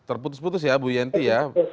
terputus putus ya bu yenti ya